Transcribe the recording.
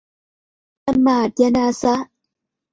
ละหมาดญะนาซะฮ์